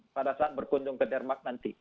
pada saat berkunjung ke denmark nanti